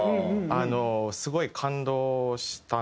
すごい感動したんですよね。